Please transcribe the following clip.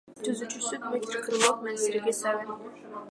Түзүүчүсү — Дмитрий Крылов менен Сергей Савин.